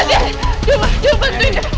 raja dia bantuin dia